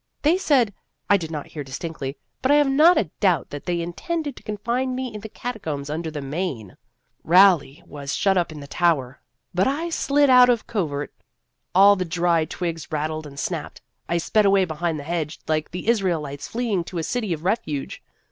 They said I did not hear distinctly, but I have not a doubt that they intended to confine me in the catacombs under the Main. Raleigh was shut up in the Tower. But I slid out of In Search of Experience 25 covert. All the dry twigs rattled and snapped. I sped away behind the hedge, like the Israelites fleeing to a city of refuge.